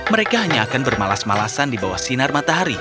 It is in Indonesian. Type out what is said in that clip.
mereka hanya akan bermalas malasan di bawah sinar matahari